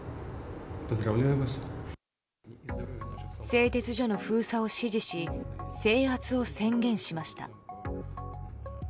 製鉄所の封鎖を指示し制圧を宣言しました。